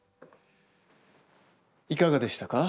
いかがでしたか？